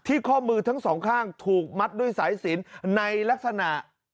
ข้อมือทั้งสองข้างถูกมัดด้วยสายสินในลักษณะ